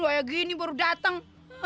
wah kayak gini baru dateng